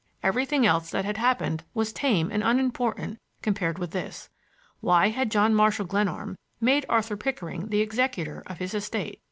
Everything else that had happened was tame and unimportant compared with this. Why had John Marshall Glenarm made Arthur Pickering the executor of his estate?